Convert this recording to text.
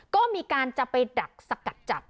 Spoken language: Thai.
ก็มีการจะไปดักสกัดจับ